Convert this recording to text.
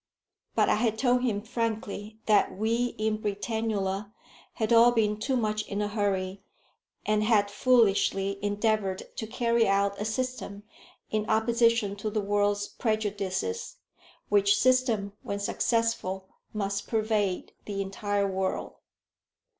But I had told him frankly that we in Britannula had all been too much in a hurry, and had foolishly endeavoured to carry out a system in opposition to the world's prejudices, which system, when successful, must pervade the entire world.